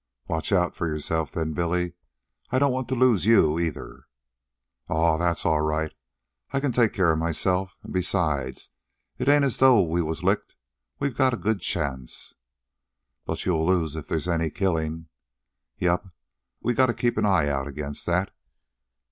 "Watch out for yourself, then, Billy. I don't want to lose you either." "Aw, that's all right. I can take care of myself. An' besides, it ain't as though we was licked. We got a good chance." "But you'll lose if there is any killing." "Yep; we gotta keep an eye out against that."